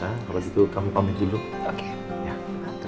sampai ketemu kapan kapan kita jumpa lagi ya pak